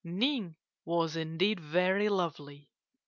"Ning was indeed very lovely.